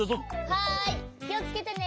はいきをつけてね。